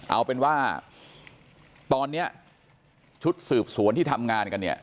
เอาเป็นว่าตอนนี้ชุดสืบสวนที่ทำงานกันเนี่ย